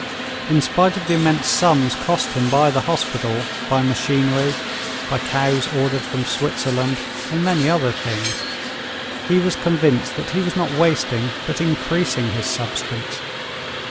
In spite of the immense sums cost him by the hospital, by machinery, by cows ordered from Switzerland, and many other things, he was convinced that he was not wasting, but increasing his substance.